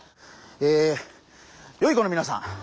えよい子のみなさん。